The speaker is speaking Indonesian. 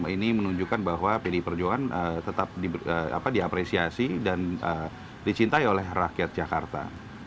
ini menunjukkan bahwa pdi perjuangan tetap diapresiasi dan dicintai oleh rakyat jakarta